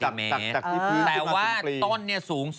อ๋อจากที่พีฟที่มาคล้ำปรีแต่ว่าต้นนี่สูง๒เมตร